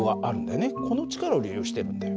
この力を利用してるんだよ。